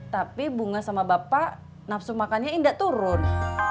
tapi bunga sama bapak nafsu makannya indah turun